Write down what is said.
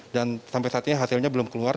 dan sampai saat ini hasilnya belum keluar